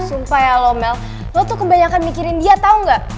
sumpah ya lo mel lo tuh kebanyakan mikirin dia tau gak